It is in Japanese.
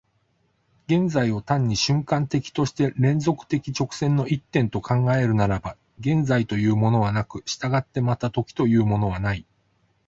現在を単に瞬間的として連続的直線の一点と考えるならば、現在というものはなく、従ってまた時というものはない。